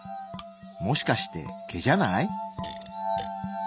もしかして毛じゃない？